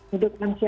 hidup yang siap